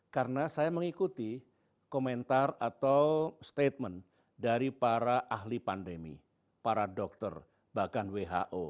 karena saya mengikuti komentar atau statement dari para ahli pandemi para dokter bahkan who